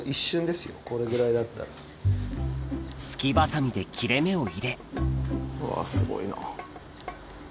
すきバサミで切れ目を入れうわすごいな。